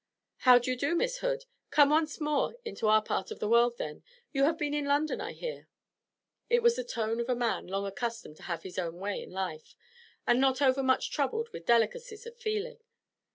'How do you do, Miss Hood? Come once more into our part of the world, then? You have been in London, I hear.' It was the tone of a man long accustomed to have his own way in life, and not overmuch troubled with delicacies of feeling.